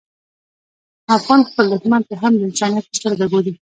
افغان خپل دښمن ته هم د انسانیت په سترګه ګوري.